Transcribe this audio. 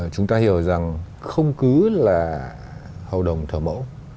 chúng ta hiểu rằng không cứ là hầu đồng thờ mẫu